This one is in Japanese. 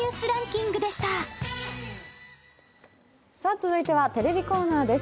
続いてはテレビコーナーです。